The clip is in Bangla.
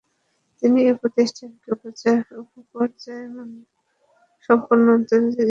তিনি এ প্রতিষ্ঠানকে উচ্চপর্যায়ের মানসম্পন্ন আন্তর্জাতিক স্তরের গবেষণা বিভাগে পরিণত করেন।